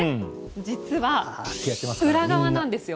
実は裏側なんですよ。